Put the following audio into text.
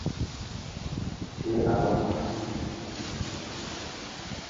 সে আমার জানামতে সবচেয়ে খারাপ মানুষ।